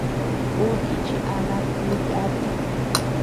Ú nichi ama kú yati.